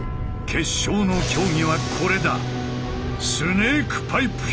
決勝の競技はこれだ。